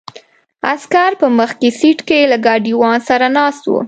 عسکر په مخکې سیټ کې له ګاډیوان سره ناست وو.